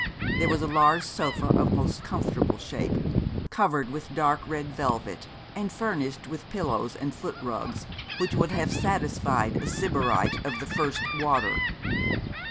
There was a large sofa of most comfortable shape, covered with dark red velvet, and furnished with pillows and foot rugs, which would have satisfied a Sybarite of the first water.